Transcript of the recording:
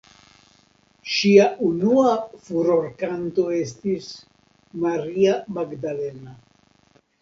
Ŝia unua furorkanto estis "Maria Magdalena".